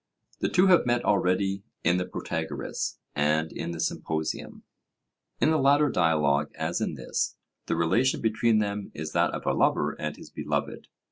The two have met already in the Protagoras and in the Symposium; in the latter dialogue, as in this, the relation between them is that of a lover and his beloved.